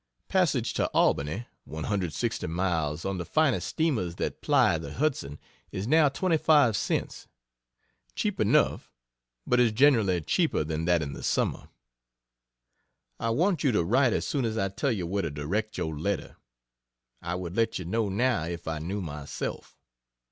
Passage to Albany (160 miles) on the finest steamers that ply' the Hudson, is now 25 cents cheap enough, but is generally cheaper than that in the summer. I want you to write as soon as I tell you where to direct your letter. I would let you know now, if I knew myself.